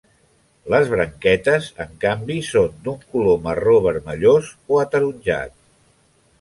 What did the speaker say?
Les branquetes, en canvi, són d'un color marró-vermellós o ataronjat.